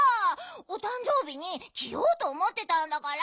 おたんじょうびにきようとおもってたんだから。